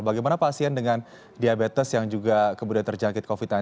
bagaimana pasien dengan diabetes yang juga kemudian terjangkit covid sembilan belas